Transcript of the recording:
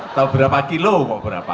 atau berapa kilo kok berapa